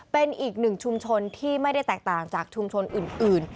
เป็นอีกหนึ่งชุมชนที่ไม่ได้แตกต่างจากชุมชนอื่น